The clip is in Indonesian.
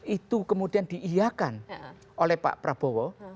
itu kemudian diiakan oleh pak prabowo